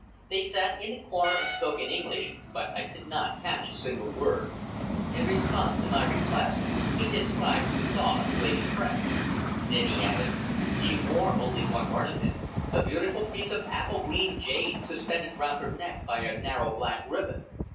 They sat in a corner and spoke in English, but I could not catch a single word." In response to my request he described Suzor's lady friend. Then he added: "She wore only one ornament, a beautiful piece of apple green jade suspended round her neck by a narrow black ribbon.